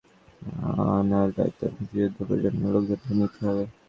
তিনি বলেছেন, তাদের সঠিক পথে আনার দায়িত্ব মুক্তিযুদ্ধের প্রজন্মের লোকজনকে নিতে হবে।